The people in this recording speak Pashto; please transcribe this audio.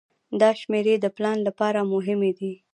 دا شمیرې د پلان لپاره مهمې دي.